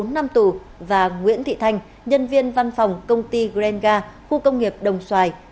bốn năm tù và nguyễn thị thành nhân viên văn phòng công ty grenga khu công nghiệp đồng xoài